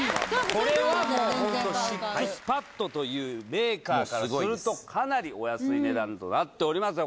これはもうホントＳＩＸＰＡＤというメーカーからするとかなりお安い値段となっておりますよ